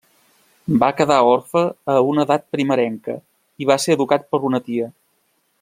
Va quedar orfe a una edat primerenca i va ser educat per una tia.